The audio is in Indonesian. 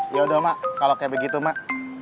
yaudah mak kalau kayak begitu mak